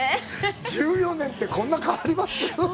１４年って、こんなに変わります！？